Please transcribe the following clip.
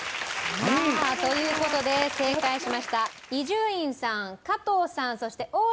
さあという事で正解しました伊集院さん加藤さんそして王林さんが１０点。